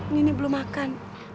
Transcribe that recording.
nini belum makan